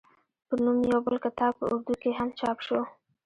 پۀ نوم يو بل کتاب پۀ اردو کښې هم چاپ شو